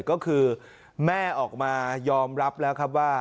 ก็คือแม่ออกมายอมรับแล้วครับว่า